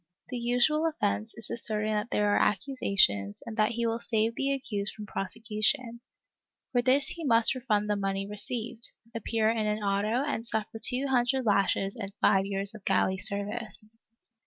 The usual offence is assert ing that there are accusations and that he will save the accused from prosecution; for this he must refund the money received, appear in an auto and suffer two hundred lashes and five years of galley service.